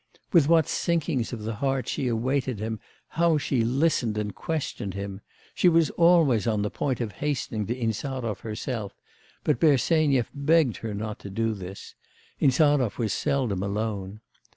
With what sinkings of the heart she awaited him, how she listened and questioned him! She was always on the point of hastening to Insarov herself; but Bersenyev begged her not to do this: Insarov was seldom alone.